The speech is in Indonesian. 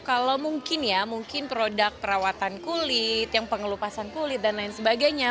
kalau mungkin ya mungkin produk perawatan kulit yang pengelupasan kulit dan lain sebagainya